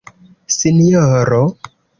Sinjoro?